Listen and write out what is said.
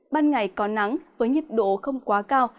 ban ngày có nắng với nhiệt độ không quá cao